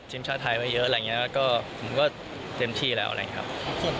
ทีมชาติไทยไว้เยอะอะไรอย่างนี้ก็ผมก็เต็มที่แล้วอะไรอย่างนี้ครับ